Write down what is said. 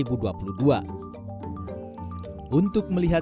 untuk melihat siapa yang akan diperoleh